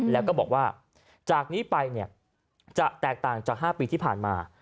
แล้วก็บอกว่าจากนี้ไปเนี่ยจะแตกต่างจาก๕ปีที่ผ่านมา